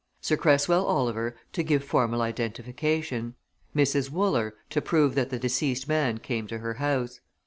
Sir Cresswell Oliver to give formal identification. Mrs. Wooler to prove that the deceased man came to her house.